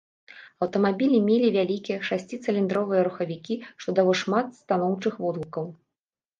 Аўтамабілі мелі вялікія шасціцыліндравыя рухавікі, што дало шмат станоўчых водгукаў.